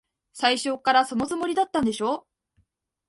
最初っから、そのつもりだったんでしょ。